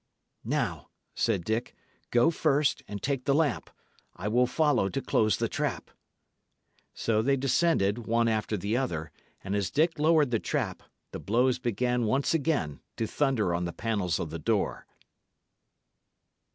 "Now," said Dick, "go first and take the lamp. I will follow to close the trap." So they descended one after the other, and as Dick lowered the trap, the blows began once again to thunder on the panels of the door.